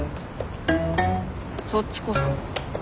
そっちこそ。